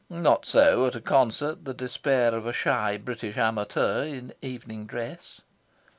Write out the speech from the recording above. Not so, at a concert, the despair of a shy British amateur in evening dress.